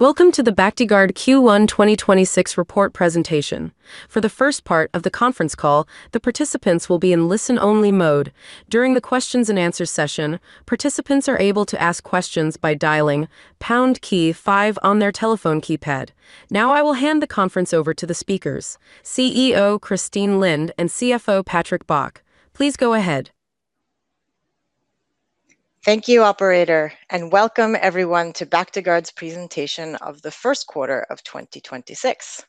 Welcome to the Bactiguard Q1 2026 report presentation. For the first part of the conference call, the participants will be in listen-only mode. During the questions and answers session, participants are able to ask questions by dialing pound key five on their telephone keypad. Now I will hand the conference over to the speakers, CEO Christine Lind and CFO Patrick Bach. Please go ahead. Thank you, operator, and welcome everyone to Bactiguard's presentation of the first quarter of 2026.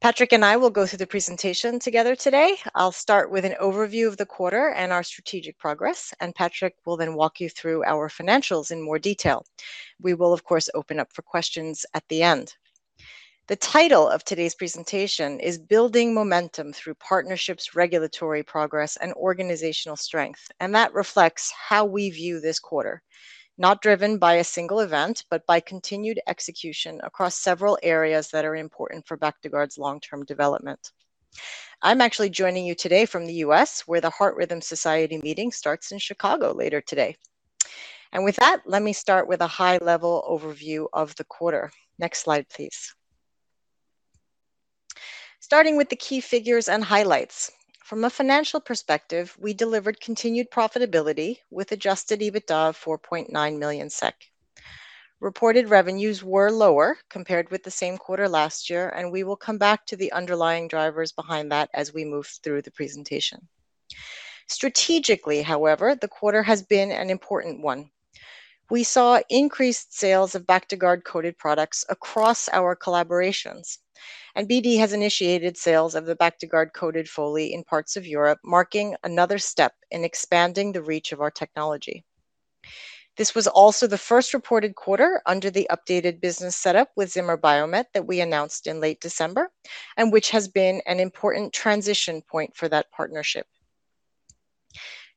Patrick and I will go through the presentation together today. I'll start with an overview of the quarter and our strategic progress, and Patrick will then walk you through our financials in more detail. We will, of course, open up for questions at the end. The title of today's presentation is Building Momentum through Partnerships, Regulatory Progress, and Organizational Strength, and that reflects how we view this quarter. Not driven by a single event, but by continued execution across several areas that are important for Bactiguard's long-term development. I'm actually joining you today from the U.S., where the Heart Rhythm Society meeting starts in Chicago later today. With that, let me start with a high-level overview of the quarter. Next slide, please. Starting with the key figures and highlights. From a financial perspective, we delivered continued profitability with adjusted EBITDA of 4.9 million SEK. Reported revenues were lower compared with the same quarter last year, and we will come back to the underlying drivers behind that as we move through the presentation. Strategically, however, the quarter has been an important one. We saw increased sales of Bactiguard-coated products across our collaborations, and BD has initiated sales of the Bactiguard-coated Foley in parts of Europe, marking another step in expanding the reach of our technology. This was also the first reported quarter under the updated business setup with Zimmer Biomet that we announced in late December and which has been an important transition point for that partnership.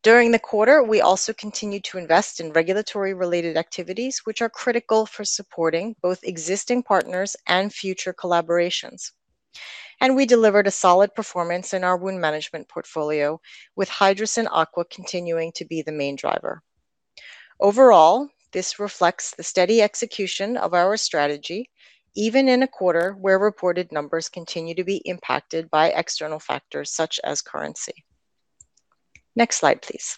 During the quarter, we also continued to invest in regulatory-related activities, which are critical for supporting both existing partners and future collaborations. We delivered a solid performance in our wound management portfolio, with Hydrocyn Aqua continuing to be the main driver. Overall, this reflects the steady execution of our strategy, even in a quarter where reported numbers continue to be impacted by external factors such as currency. Next slide, please.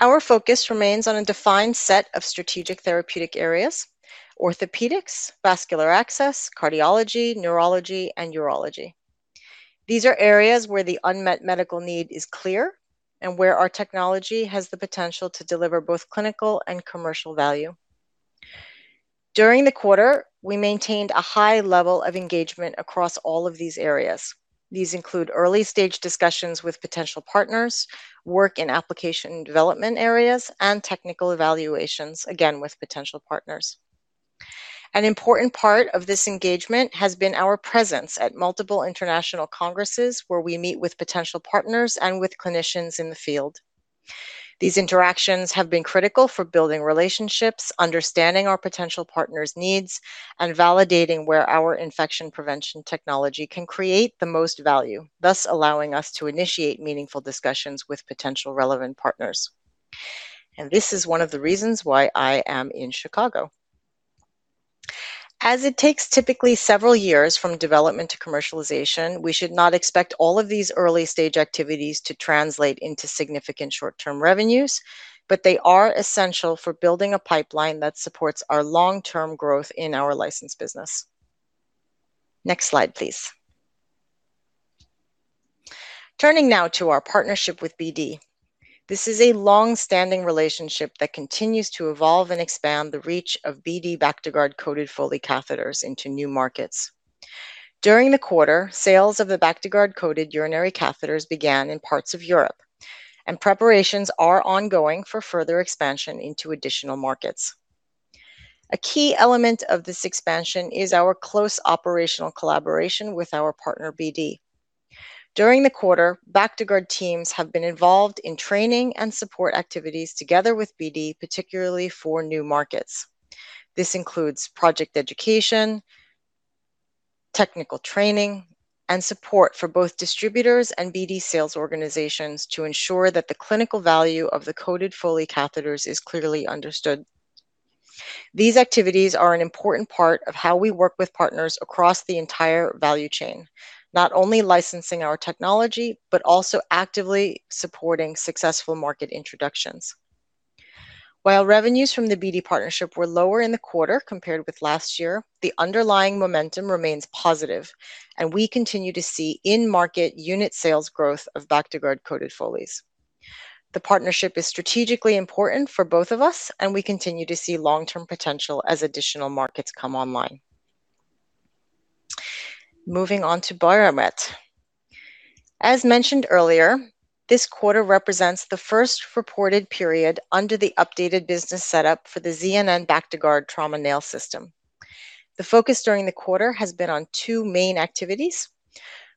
Our focus remains on a defined set of strategic therapeutic areas, orthopedics, vascular access, cardiology, neurology, and urology. These are areas where the unmet medical need is clear and where our technology has the potential to deliver both clinical and commercial value. During the quarter, we maintained a high level of engagement across all of these areas. These include early-stage discussions with potential partners, work in application development areas, and technical evaluations, again, with potential partners. An important part of this engagement has been our presence at multiple international congresses where we meet with potential partners and with clinicians in the field. These interactions have been critical for building relationships, understanding our potential partners' needs, and validating where our infection prevention technology can create the most value, thus allowing us to initiate meaningful discussions with potential relevant partners. This is one of the reasons why I am in Chicago. As it takes typically several years from development to commercialization, we should not expect all of these early-stage activities to translate into significant short-term revenues, but they are essential for building a pipeline that supports our long-term growth in our license business. Next slide, please. Turning now to our partnership with BD. This is a long-standing relationship that continues to evolve and expand the reach of BD Bactiguard-coated Foley catheters into new markets. During the quarter, sales of the Bactiguard-coated urinary catheters began in parts of Europe, and preparations are ongoing for further expansion into additional markets. A key element of this expansion is our close operational collaboration with our partner, BD. During the quarter, Bactiguard teams have been involved in training and support activities together with BD, particularly for new markets. This includes project education, technical training, and support for both distributors and BD sales organizations to ensure that the clinical value of the coated Foley catheters is clearly understood. These activities are an important part of how we work with partners across the entire value chain, not only licensing our technology, but also actively supporting successful market introductions. While revenues from the BD partnership were lower in the quarter compared with last year, the underlying momentum remains positive, and we continue to see in-market unit sales growth of Bactiguard-coated Foleys. The partnership is strategically important for both of us, and we continue to see long-term potential as additional markets come online. Moving on to Zimmer Biomet. As mentioned earlier, this quarter represents the first reported period under the updated business setup for the ZNN Bactiguard Trauma Nail system. The focus during the quarter has been on two main activities.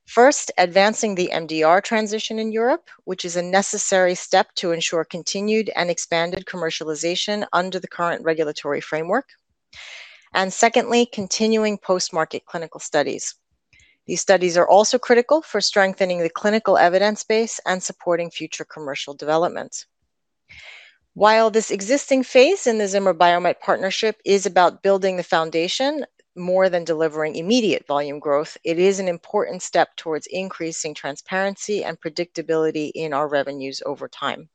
First, advancing the MDR transition in Europe, which is a necessary step to ensure continued and expanded commercialization under the current regulatory framework. Secondly, continuing post-market clinical studies. These studies are also critical for strengthening the clinical evidence base and supporting future commercial developments. While this existing phase in the Zimmer Biomet partnership is about building the foundation more than delivering immediate volume growth, it is an important step towards increasing transparency and predictability in our revenues over time.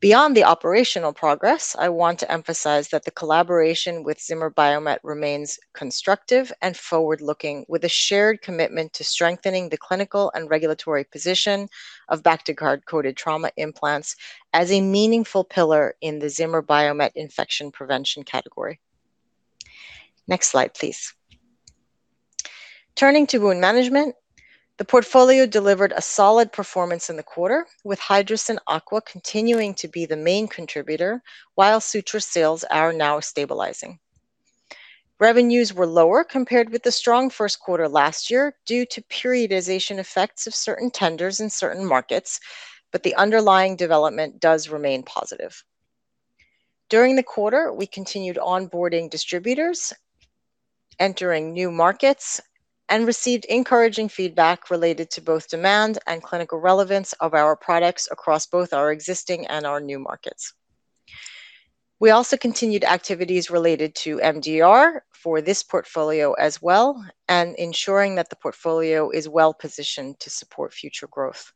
Beyond the operational progress, I want to emphasize that the collaboration with Zimmer Biomet remains constructive and forward-looking, with a shared commitment to strengthening the clinical and regulatory position of Bactiguard-coated trauma implants as a meaningful pillar in the Zimmer Biomet infection prevention category. Next slide, please. Turning to wound management, the portfolio delivered a solid performance in the quarter, with Hydrocyn Aqua continuing to be the main contributor while suture sales are now stabilizing. Revenues were lower compared with the strong first quarter last year due to periodization effects of certain tenders in certain markets, but the underlying development does remain positive. During the quarter, we continued onboarding distributors, entering new markets, and received encouraging feedback related to both demand and clinical relevance of our products across both our existing and our new markets. We also continued activities related to MDR for this portfolio as well and ensuring that the portfolio is well-positioned to support future growth.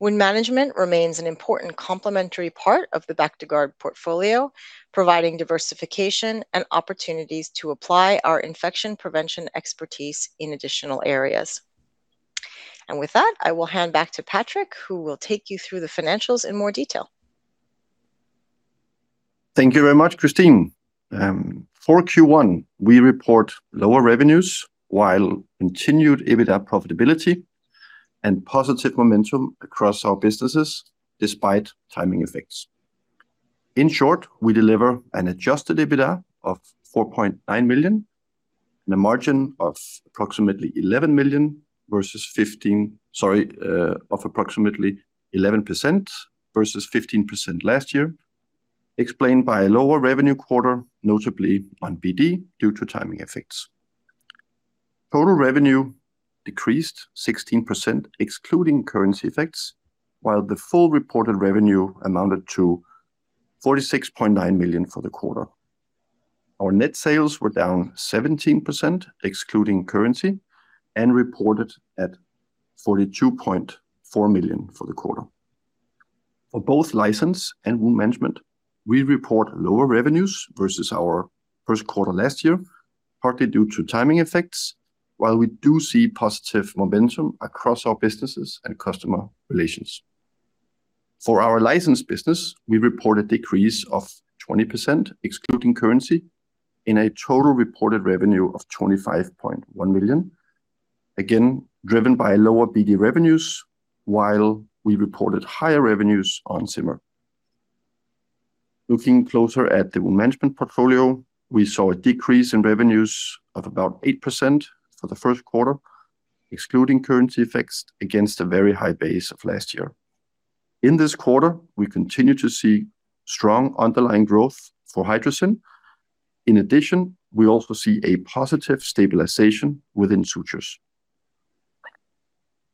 Wound management remains an important complementary part of the Bactiguard portfolio, providing diversification and opportunities to apply our infection prevention expertise in additional areas. With that, I will hand back to Patrick, who will take you through the financials in more detail. Thank you very much, Christine. For Q1, we report lower revenues while continued EBITDA profitability and positive momentum across our businesses despite timing effects. In short, we deliver an adjusted EBITDA of 4.9 million and a margin of approximately 11% versus 15% last year, explained by a lower revenue quarter, notably on BD, due to timing effects. Total revenue decreased 16%, excluding currency effects, while the full reported revenue amounted to 46.9 million for the quarter. Our net sales were down 17%, excluding currency, and reported at 42.4 million for the quarter. For both license and wound management, we report lower revenues versus our first quarter last year, partly due to timing effects, while we do see positive momentum across our businesses and customer relations. For our license business, we report a decrease of 20%, excluding currency, in a total reported revenue of 25.1 million, again, driven by lower BD revenues while we reported higher revenues on Zimmer Biomet. Looking closer at the wound management portfolio, we saw a decrease in revenues of about 8% for the first quarter, excluding currency effects, against a very high base of last year. In this quarter, we continue to see strong underlying growth for Hydrocyn Aqua. In addition, we also see a positive stabilization within sutures.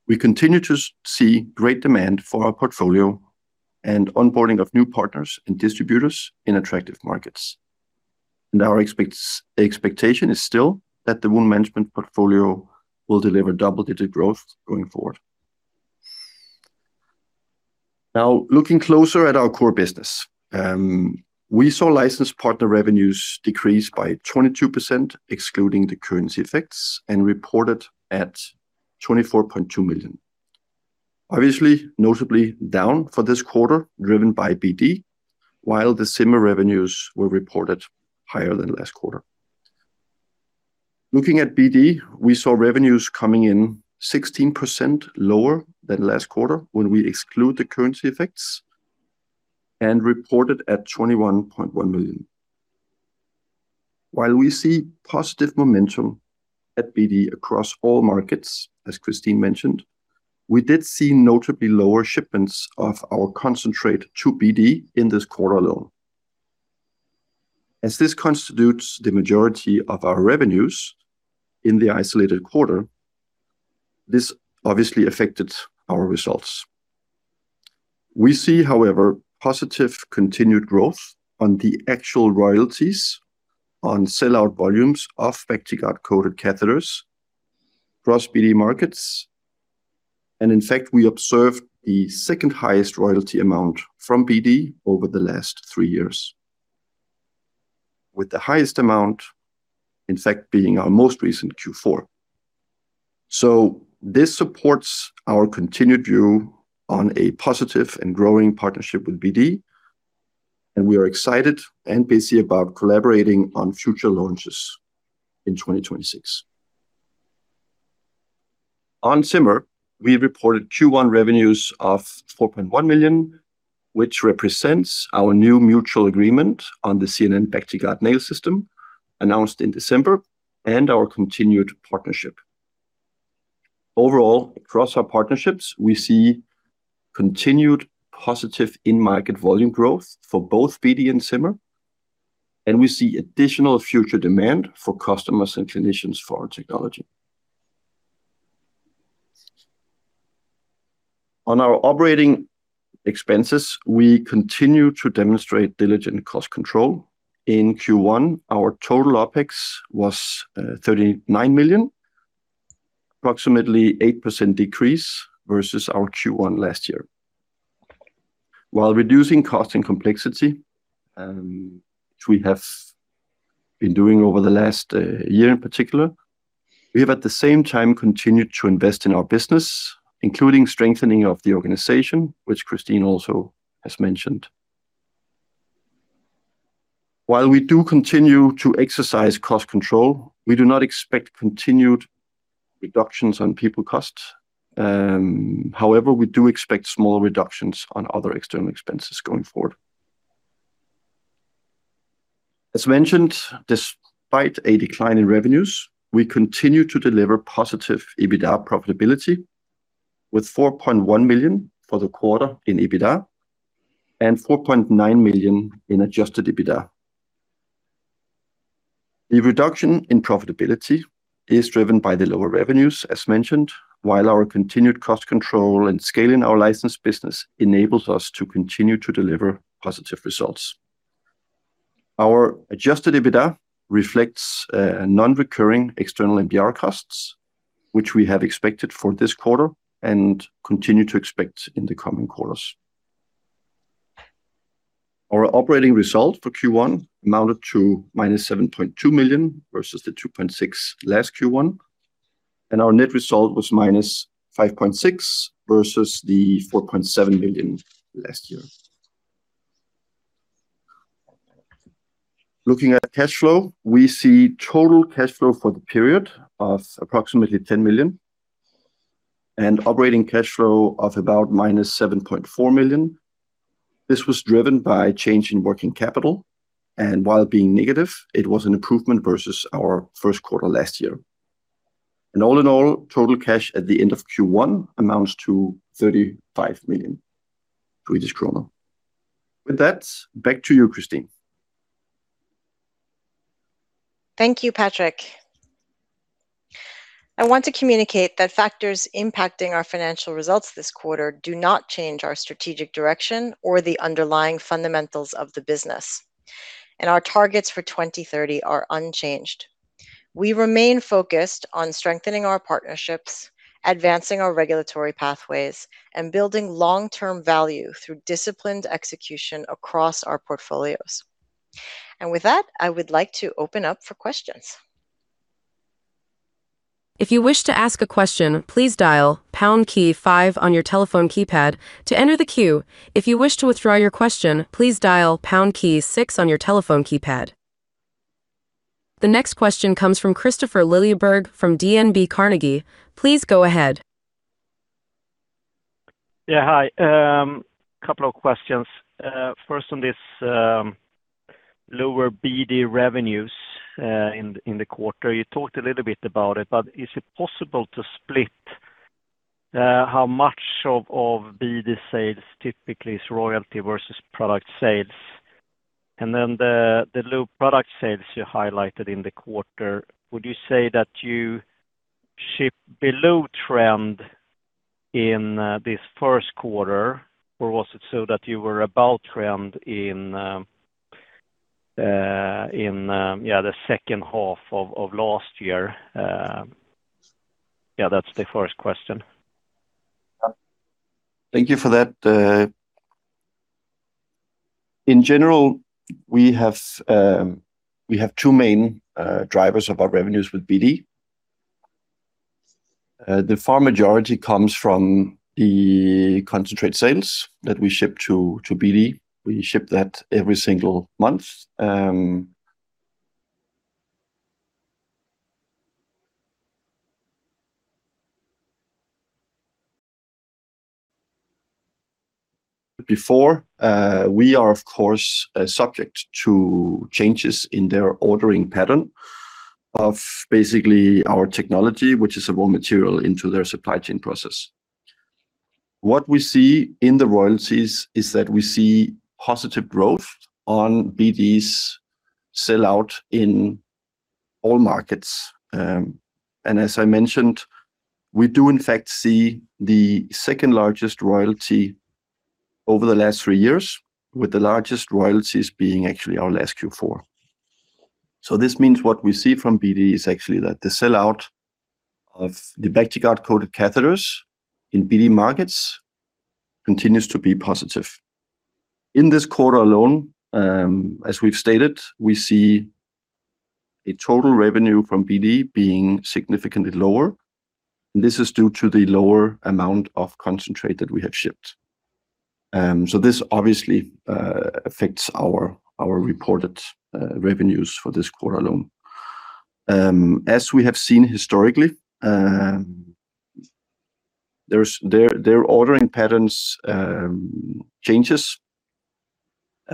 We continue to see great demand for our portfolio and onboarding of new partners and distributors in attractive markets. Our expectation is still that the wound management portfolio will deliver double-digit growth going forward. Now, looking closer at our core business. We saw license partner revenues decrease by 22%, excluding the currency effects, and reported at 24.2 million. Obviously, notably down for this quarter, driven by BD, while the Zimmer revenues were reported higher than last quarter. Looking at BD, we saw revenues coming in 16% lower than last quarter when we exclude the currency effects and reported at 21.1 million. While we see positive momentum at BD across all markets, as Christine mentioned, we did see notably lower shipments of our concentrate to BD in this quarter alone. As this constitutes the majority of our revenues in the isolated quarter, this obviously affected our results. We see, however, positive continued growth on the actual royalties on sell-out volumes of Bactiguard-coated catheters across BD markets. In fact, we observed the second highest royalty amount from BD over the last three years, with the highest amount, in fact, being our most recent Q4. This supports our continued view on a positive and growing partnership with BD, and we are excited and busy about collaborating on future launches in 2026. On Zimmer, we reported Q1 revenues of 4.1 million, which represents our new mutual agreement on the ZNN Bactiguard Nail System announced in December and our continued partnership. Overall, across our partnerships, we see continued positive in-market volume growth for both BD and Zimmer Biomet, and we see additional future demand for customers and clinicians for our technology. On our operating expenses, we continue to demonstrate diligent cost control. In Q1, our total OpEx was 39 million, approximately 8% decrease versus our Q1 last year. While reducing cost and complexity, which we have been doing over the last year in particular, we have at the same time continued to invest in our business, including strengthening of the organization, which Christine also has mentioned. While we do continue to exercise cost control, we do not expect continued reductions on people costs. However, we do expect small reductions on other external expenses going forward. As mentioned, despite a decline in revenues, we continue to deliver positive EBITDA profitability with 4.1 million for the quarter in EBITDA and 4.9 million in adjusted EBITDA. The reduction in profitability is driven by the lower revenues as mentioned, while our continued cost control and scaling our license business enables us to continue to deliver positive results. Our adjusted EBITDA reflects a non-recurring external NPR costs, which we have expected for this quarter and continue to expect in the coming quarters. Our operating result for Q1 amounted to -7.2 million versus the 2.6 million last Q1, and our net result was -5.6 million versus the 4.7 million last year. Looking at cash flow, we see total cash flow for the period of approximately 10 million and operating cash flow of about -7.4 million. This was driven by change in working capital, and while being negative, it was an improvement versus our first quarter last year. All in all, total cash at the end of Q1 amounts to 35 million Swedish kronor. With that, back to you, Christine. Thank you, Patrick. I want to communicate that factors impacting our financial results this quarter do not change our strategic direction or the underlying fundamentals of the business. Our targets for 2030 are unchanged. We remain focused on strengthening our partnerships, advancing our regulatory pathways, and building long-term value through disciplined execution across our portfolios. With that, I would like to open up for questions. The next question comes from Kristofer Liljeberg from DNB Carnegie. Please go ahead. Yeah. Hi. Couple of questions. First on this lower BD revenues in the quarter. You talked a little bit about it, but is it possible to split how much of BD sales typically is royalty versus product sales? And then the low product sales you highlighted in the quarter, would you say that you shipped below trend in this first quarter, or was it so that you were above trend in the second half of last year? Yeah, that's the first question. Thank you for that. In general, we have two main drivers of our revenues with BD. The far majority comes from the concentrate sales that we ship to BD. We ship that every single month. Therefore, we are of course subject to changes in their ordering pattern of basically our technology, which is a raw material into their supply chain process. What we see in the royalties is that we see positive growth on BD's sellout in all markets. As I mentioned, we do in fact see the second largest royalty over the last three years, with the largest royalties being actually our last Q4. This means what we see from BD is actually that the sellout of the Bactiguard-coated catheters in BD markets continues to be positive. In this quarter alone, as we've stated, we see a total revenue from BD being significantly lower. This is due to the lower amount of concentrate that we have shipped. This obviously affects our reported revenues for this quarter alone. As we have seen historically, their ordering patterns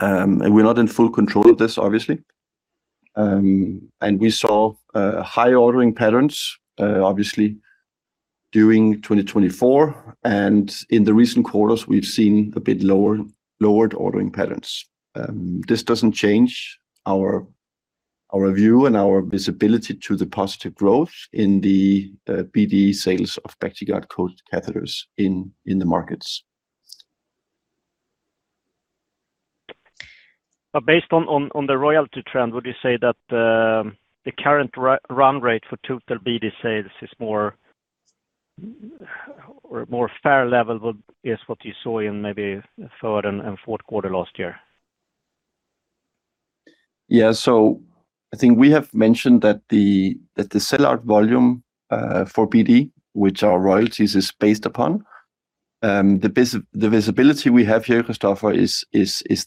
change. We're not in full control of this, obviously. We saw high ordering patterns, obviously, during 2024, and in the recent quarters, we've seen a bit lower ordering patterns. This doesn't change our view and our visibility to the positive growth in the BD sales of Bactiguard-coated catheters in the markets. Based on the royalty trend, would you say that the current run rate for total BD sales is a more fair level, what you saw in maybe third and fourth quarter last year? Yeah. I think we have mentioned that the sellout volume for BD, which our royalties is based upon, the visibility we have here, Kristofer, is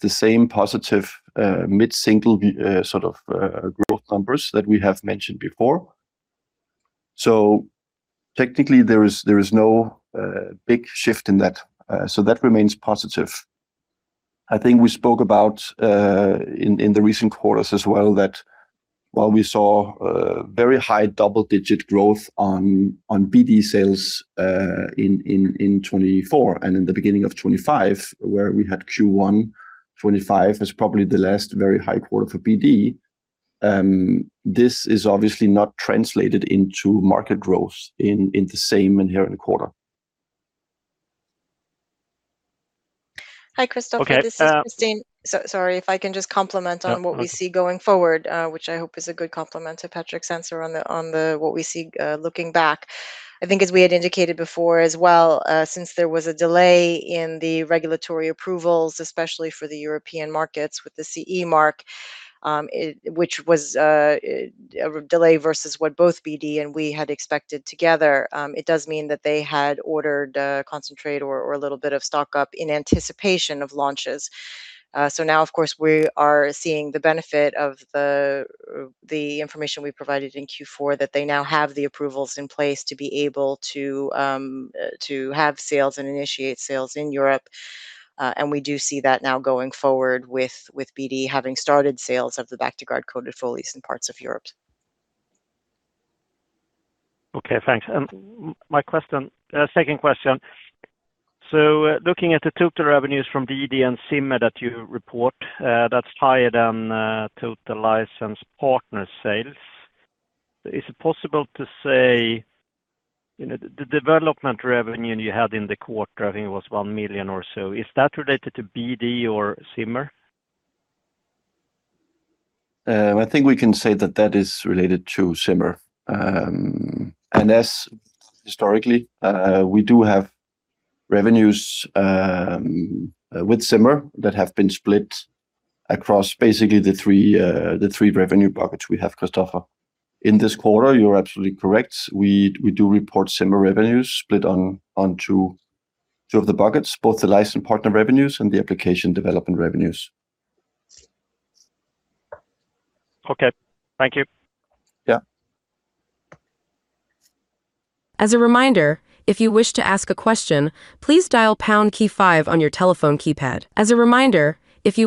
the same positive mid-single sort of growth numbers that we have mentioned before. Technically, there is no big shift in that. That remains positive. I think we spoke about, in the recent quarters as well, that while we saw very high double-digit growth on BD sales in 2024 and in the beginning of 2025, where we had Q1 2025, as probably the last very high quarter for BD. This is obviously not translated into market growth in the same quarter. Hi, Kristofer. Okay. This is Christine. Sorry, if I can just comment on what we see going forward, which I hope is a good comment to Patrick's answer on what we see looking back. I think as we had indicated before as well, since there was a delay in the regulatory approvals, especially for the European markets with the CE mark, which was a delay versus what both BD and we had expected together. It does mean that they had ordered a consignment or a little bit of stock-up in anticipation of launches. Now, of course, we are seeing the benefit of the information we provided in Q4, that they now have the approvals in place to be able to have sales and initiate sales in Europe. We do see that now going forward with BD having started sales of the Bactiguard-coated Foleys in parts of Europe. Okay, thanks. My second question. Looking at the total revenues from BD and Zimmer Biomet that you report, that's higher than total license partner sales. Is it possible to say, the development revenue you had in the quarter, I think it was 1 million or so, is that related to BD or Zimmer Biomet? I think we can say that that is related to Zimmer Biomet. As historically, we do have revenues with Zimmer Biomet that have been split across basically the three revenue buckets we have, Kristofer. In this quarter, you're absolutely correct. We do report Zimmer Biomet revenues split on two of the buckets, both the licensed partner revenues and the application development revenues. Okay. Thank you. Yeah. The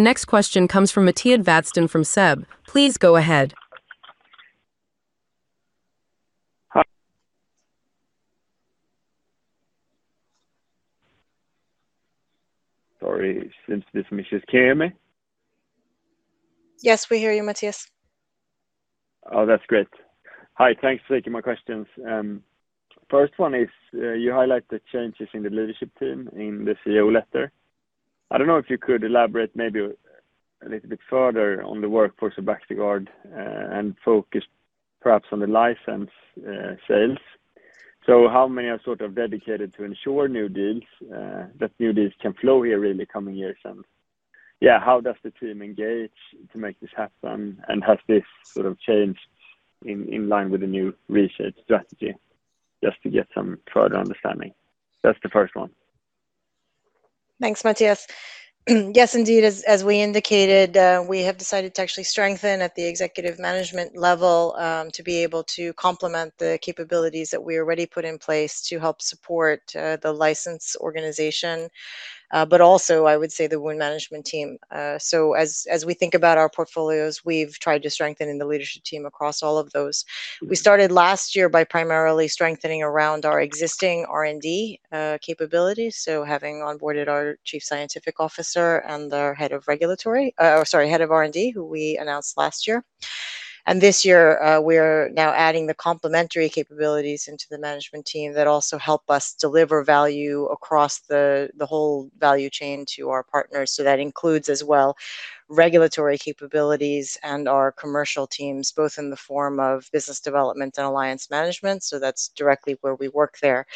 next question comes from Mattias Vadsten from SEB. Please go ahead. Hi. Can you hear me? Yes, we hear you, Mattias. Oh, that's great. Hi, thanks for taking my questions. First one is, you highlight the changes in the leadership team in the CEO letter. I don't know if you could elaborate maybe a little bit further on the workforce of Bactiguard and focus perhaps on the license sales. How many are sort of dedicated to ensure that new deals can flow here really coming years? Yeah, how does the team engage to make this happen? Has this sort of changed in line with the new research strategy? Just to get some further understanding. That's the first one. Thanks, Mattias. Yes, indeed, as we indicated, we have decided to actually strengthen at the executive management level to be able to complement the capabilities that we already put in place to help support the license organization, but also, I would say, the wound management team. As we think about our portfolios, we've tried to strengthen in the leadership team across all of those. We started last year by primarily strengthening around our existing R&D capabilities, so having onboarded our Chief Scientific Officer and our Head of R&D, who we announced last year. This year, we're now adding the complementary capabilities into the management team that also help us deliver value across the whole value chain to our partners. That includes as well regulatory capabilities and our commercial teams, both in the form of business development and alliance management. That's directly where we work there.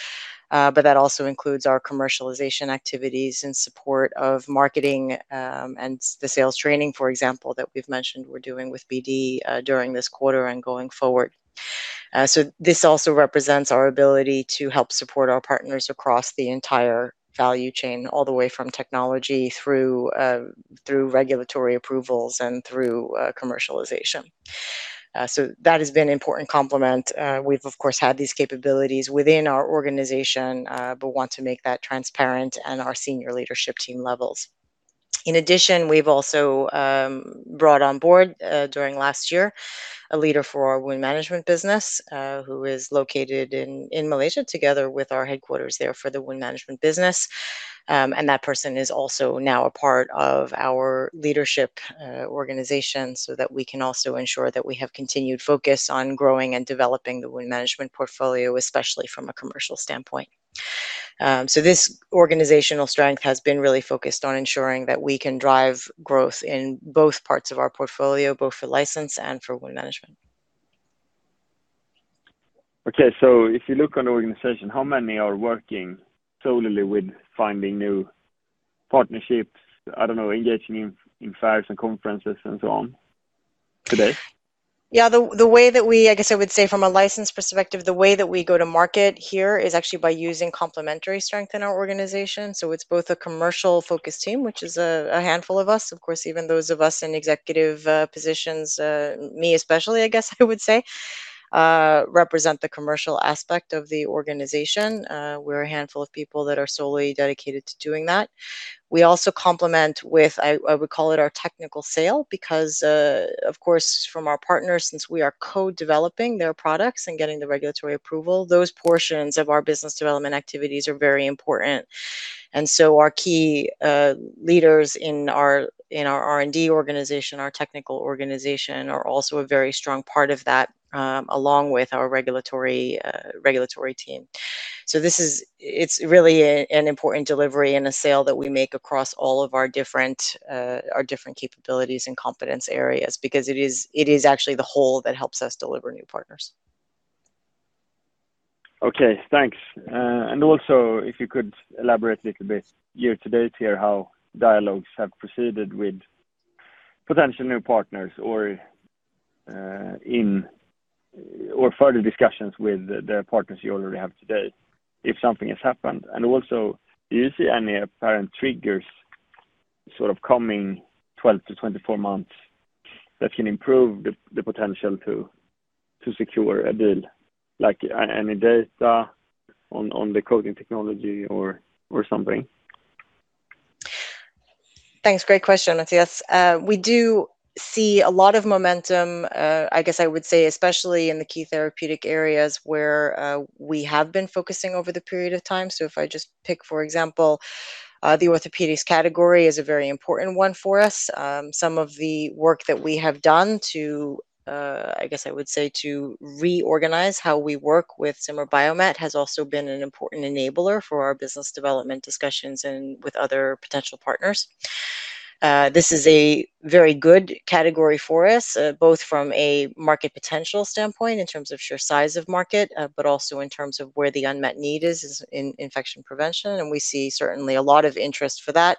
That also includes our commercialization activities in support of marketing and the sales training, for example, that we've mentioned we're doing with BD during this quarter and going forward. This also represents our ability to help support our partners across the entire value chain, all the way from technology through regulatory approvals and through commercialization. That has been an important complement. We've of course had these capabilities within our organization, but want to make that transparent in our senior leadership team levels. In addition, we've also brought on board, during last year, a leader for our wound management business, who is located in Malaysia together with our headquarters there for the wound management business. That person is also now a part of our leadership organization so that we can also ensure that we have continued focus on growing and developing the wound management portfolio, especially from a commercial standpoint. This organizational strength has been really focused on ensuring that we can drive growth in both parts of our portfolio, both for license and for wound management. Okay, if you look on the organization, how many are working solely with finding new partnerships, I don't know, engaging in fairs and conferences and so on today? Yeah. I guess I would say from a license perspective, the way that we go to market here is actually by using complementary strength in our organization. It's both a commercial-focused team, which is a handful of us. Of course, even those of us in executive positions, me especially, I guess I would say, represent the commercial aspect of the organization. We're a handful of people that are solely dedicated to doing that. We also complement with, I would call it our technical sale because, of course, from our partners, since we are co-developing their products and getting the regulatory approval, those portions of our business development activities are very important. Our key leaders in our R&D organization, our technical organization, are also a very strong part of that, along with our regulatory team. It's really an important delivery and a sale that we make across all of our different capabilities and competence areas because it is actually the whole that helps us deliver new partners. Okay, thanks. If you could elaborate a little bit year to date here, how dialogues have proceeded with potential new partners, or further discussions with the partners you already have today, if something has happened. Do you see any apparent triggers sort of coming 12-24 months that can improve the potential to secure a deal, like any data on the coating technology or something? Thanks. Great question. Yes, we do see a lot of momentum, I guess I would say, especially in the key therapeutic areas where we have been focusing over the period of time. If I just pick, for example, the orthopedics category is a very important one for us. Some of the work that we have done to, I guess I would say, to reorganize how we work with Zimmer Biomet has also been an important enabler for our business development discussions and with other potential partners. This is a very good category for us, both from a market potential standpoint in terms of sheer size of market, but also in terms of where the unmet need is in infection prevention, and we see certainly a lot of interest for that.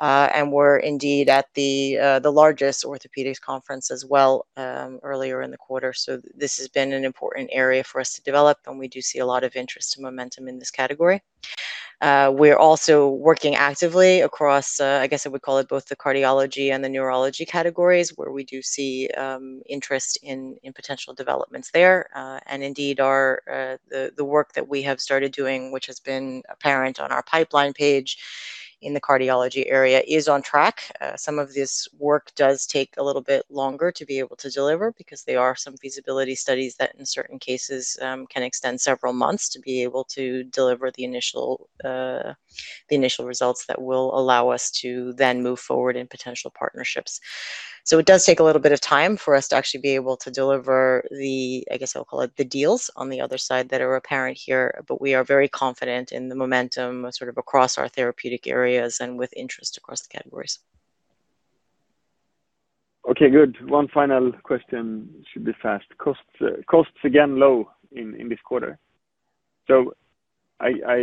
We're indeed at the largest orthopedics conference as well, earlier in the quarter. This has been an important area for us to develop, and we do see a lot of interest and momentum in this category. We're also working actively across, I guess I would call it both the cardiology and the neurology categories, where we do see interest in potential developments there. Indeed, the work that we have started doing, which has been apparent on our pipeline page in the cardiology area, is on track. Some of this work does take a little bit longer to be able to deliver because they are some feasibility studies that, in certain cases, can extend several months to be able to deliver the initial results that will allow us to then move forward in potential partnerships. It does take a little bit of time for us to actually be able to deliver the, I guess I'll call it, the deals on the other side that are apparent here, but we are very confident in the momentum sort of across our therapeutic areas and with interest across the categories. Okay, good. One final question. Should be fast. Costs again low in this quarter. I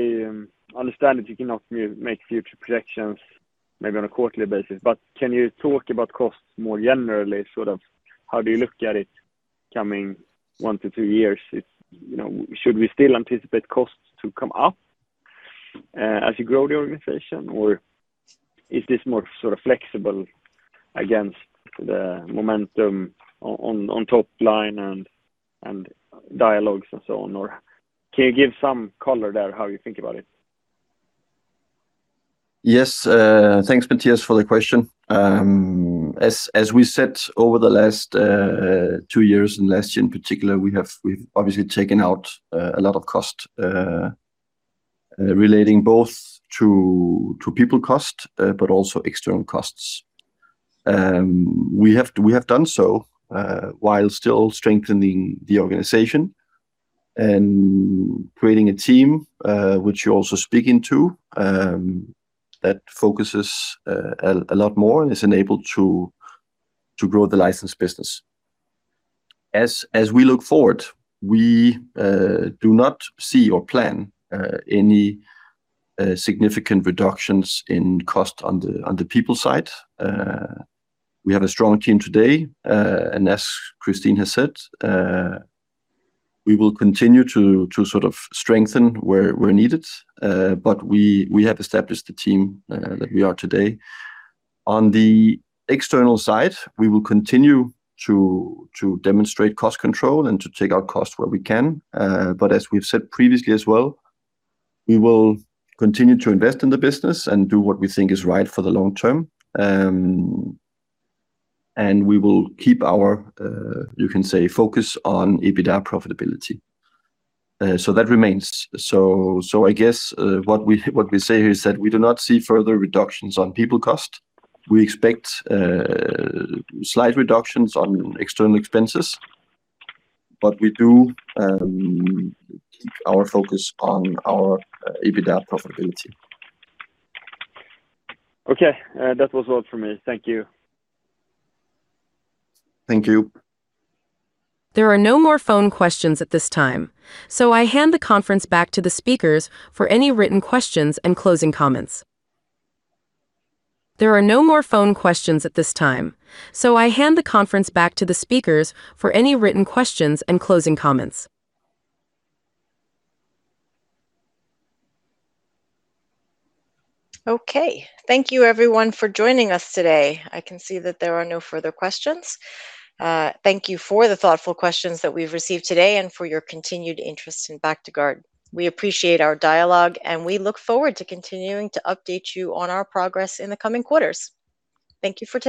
understand that you cannot make future projections maybe on a quarterly basis, but can you talk about costs more generally, sort of how do you look at it coming one to two years? Should we still anticipate costs to come up as you grow the organization, or is this more sort of flexible against the momentum on top line and dialogues and so on? Or can you give some color there how you think about it? Yes. Thanks, Mattias, for the question. As we said, over the last two years and last year in particular, we've obviously taken out a lot of cost, relating both to people cost, but also external costs. We have done so while still strengthening the organization and creating a team, which you're also speaking to, that focuses a lot more and is enabled to grow the license business. As we look forward, we do not see or plan any significant reductions in cost on the people side. We have a strong team today, and as Christine has said, we will continue to sort of strengthen where needed. We have established the team that we are today. On the external side, we will continue to demonstrate cost control and to take out cost where we can. As we've said previously as well, we will continue to invest in the business and do what we think is right for the long term. We will keep our, you can say, focus on EBITDA profitability. That remains. I guess, what we say is that we do not see further reductions on people cost. We expect slight reductions on external expenses, but we do keep our focus on our EBITDA profitability. Okay. That was all from me. Thank you. Thank you. There are no more phone questions at this time. I hand the conference back to the speakers for any written questions and closing comments. Okay. Thank you everyone for joining us today. I can see that there are no further questions. Thank you for the thoughtful questions that we've received today and for your continued interest in Bactiguard. We appreciate our dialogue, and we look forward to continuing to update you on our progress in the coming quarters. Thank you for today.